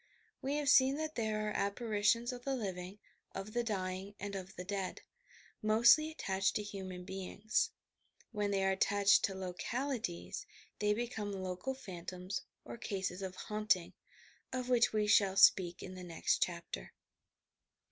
We have seen that there are apparitions of the living, of the dying and of the dead — mostly attached to human beings. When they are attached to localities they be come local phantasms, or cases of "haunting," of which we shall speak in the next chapter.